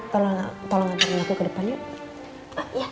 tolong antren aku ke depan yuk